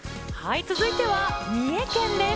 続いては三重県です。